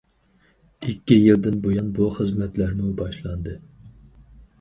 ئىككى يىلدىن بۇيان، بۇ خىزمەتلەرمۇ باشلاندى.